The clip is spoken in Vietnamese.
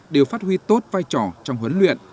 đều phát huy tốt vai trò trong huấn luyện